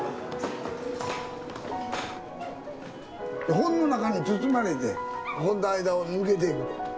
本の中に包まれて本の間を抜けていくと。